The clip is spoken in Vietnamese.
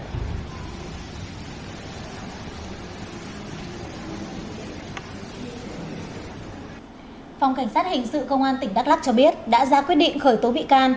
phòng cảnh sát hình sự công an tỉnh đắk lắc cho biết đã ra quyết định khởi tố bị can